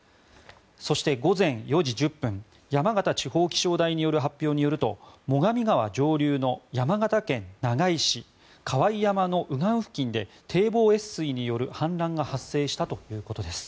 そして、午前４時１０分山形地方気象台による発表によると最上川上流の山形県長井市河井山の右岸付近で堤防越水による氾濫が発生したということです。